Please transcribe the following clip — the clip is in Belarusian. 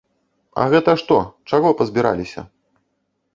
А гэта што, чаго пазбіраліся?